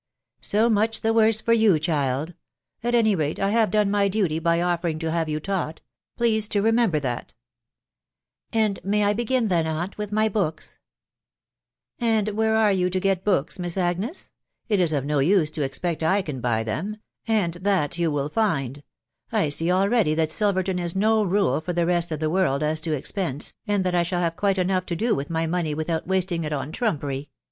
" So much the worse for you, child !.... At any rate, I have done my duty by offering to have you taught : please to remember that" " And may I begin then, aunt, with my books ?"" And where are you to get books, Miss Agnes ?.... It is of no use to expect I can buy them, and that you will find .... I see already that Silverton is no rule for the rest of the world as to expense, and that I shall have quite enough to do with my money without wasting it on trumpery